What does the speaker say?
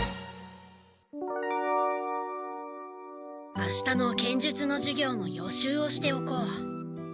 明日の剣術の授業の予習をしておこう。